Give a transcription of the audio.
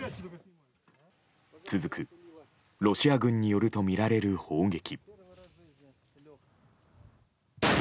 続く、ロシア軍によるとみられる砲撃。